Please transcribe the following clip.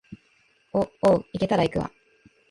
お、おう、行けたら行くわ